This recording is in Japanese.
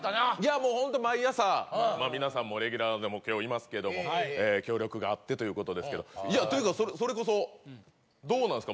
もうホント毎朝皆さんもレギュラーも今日もいますけども協力があってということですけどいやというかそれこそどうなんすか